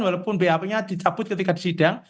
walaupun bap nya dicabut ketika disidang